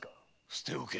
捨ておけ。